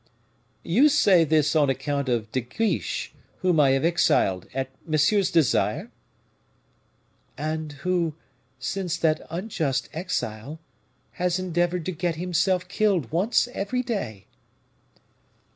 "You say this on account of De Guiche, whom I have exiled, at Monsieur's desire?" "And who, since that unjust exile, has endeavored to get himself killed once every day."